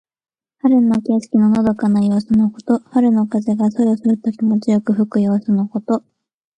春の景色ののどかな様子のこと。春の風がそよそよと気持ちよく吹く様子のこと。